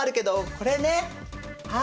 これねはい。